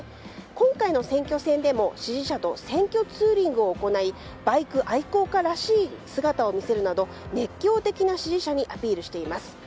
今回の選挙戦でも支持者と選挙ツーリングを行いバイク愛好家らしい姿を見せるなど熱狂的な支持者にアピールをしています。